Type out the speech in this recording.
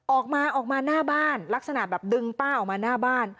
ออกมาออกมาหน้าบ้านลักษณะแบบดึงป้าออกมาหน้าบ้าน